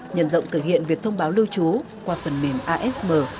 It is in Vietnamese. nhận rộng thực hiện việc thông báo lưu trú qua phần mềm asm